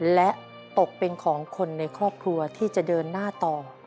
และตกเป็นของคนในครอบครัวที่จะเดินหน้าต่อ